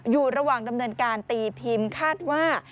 อยู่ระหว่างดำเนินการตีพิมพ์คาดว่า